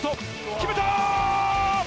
決めた。